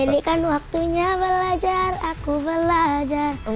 jadi kan waktunya belajar aku belajar